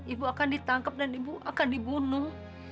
ibu akan ditangkap dan ibu akan dibunuh